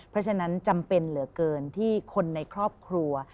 เพราะฉะนั้นจำเป็นเหลือเกินที่คนในครอบครัว